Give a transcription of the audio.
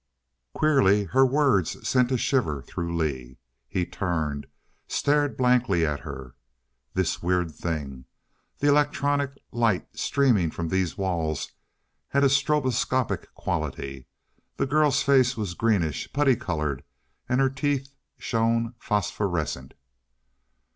Queerly her words sent a shiver through Lee. He turned, stared blankly at her. This weird thing! The electronic light streaming from these walls had a stroboscopic quality. The girl's face was greenish, putty colored, and her teeth shone phosphorescent.